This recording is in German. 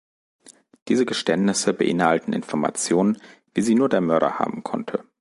Diese Geständnisse beinhalten Informationen, wie sie nur der Mörder haben konnte.